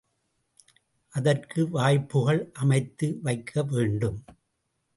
அதற்கு வாய்ப்புகள் அமைத்து வைக்க வேண்டும்.